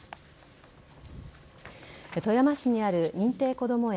富山市にある認定こども園